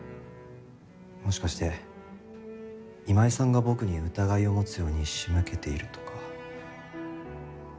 もしかして今井さんが僕に疑いを持つように仕向けているとか。